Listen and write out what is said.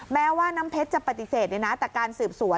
แม้ว่าน้ำเพชรจะปฏิเสธแต่การสืบสวน